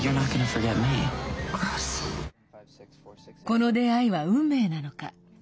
この出会いは運命なのか。